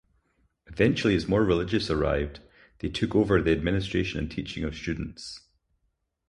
Eventually as more religious arrived, they took over administration and teaching of students.